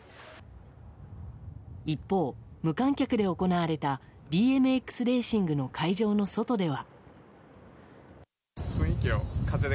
一方、無観客で行われたＢＭＸレーシングの会場の外では。